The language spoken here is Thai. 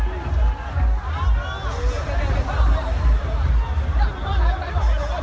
เยอะกว่าเกียรติ์ของเยี่ยมมาก